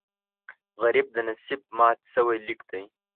غریب د نصیب مات شوی لیک دی